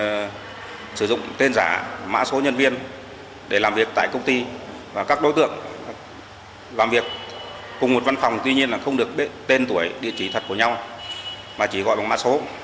người sử dụng tên giả mã số nhân viên để làm việc tại công ty và các đối tượng làm việc cùng một văn phòng tuy nhiên là không được tên tuổi địa chỉ thật của nhau mà chỉ gọi bằng mã số